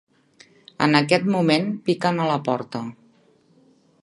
En aquest moment piquen a la porta.